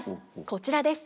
こちらです。